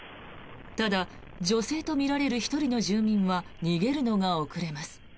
ただ、女性とみられる１人の住民は逃げるのが遅れます。